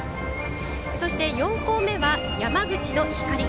そして４校目は山口の光。